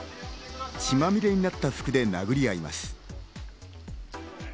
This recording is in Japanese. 血まみれになった服で殴り合います。